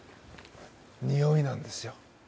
においなんですよ。